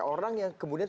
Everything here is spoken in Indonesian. orang yang kemudian